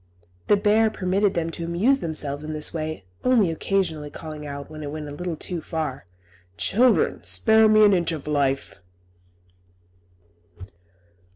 The bear permitted them to amuse themselves in this way, only occasionally calling out, when it went a little too far, "Children, spare me an inch of life!"